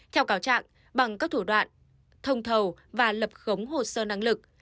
theo cáo trạng bằng các thủ đoạn thông thầu và lập khống hồ sơ năng lực